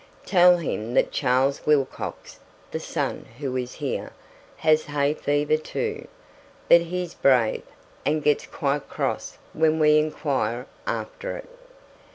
Tell him that Charles Wilcox (the son who is here) has hay fever too, but he's brave, and gets quite cross when we inquire after it.